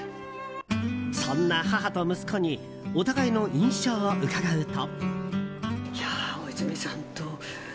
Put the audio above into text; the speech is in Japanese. そんな母と息子にお互いの印象を伺うと。